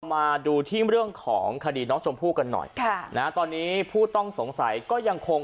มาดูที่เรื่องของคดีน้องชมพู่กันหน่อยค่ะนะฮะตอนนี้ผู้ต้องสงสัยก็ยังคง